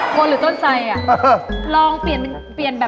คนหรือต้นไชล่อ่ะ